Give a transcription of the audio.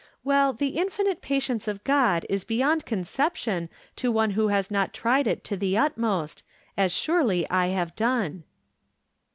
Well, the infinite patience of God is beyond conception to one who has not tried it to the utmost, as surely I have done.